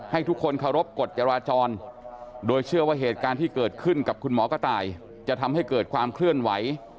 ให้ทุกคนเคารพกฎจราจรโดยเชื่อว่าเหตุการณ์ที่เกิดขึ้นกับคุณหมอกระต่ายจะทำให้เกิดความเคลื่อนไหว